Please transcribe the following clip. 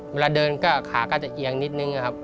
เวลาเดินก็ขาก็จะเอียงนิดนึงนะครับ